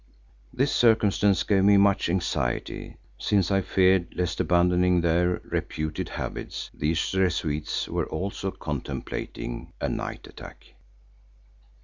This circumstance gave me much anxiety, since I feared lest abandoning their reputed habits, these Rezuites were also contemplating a night attack.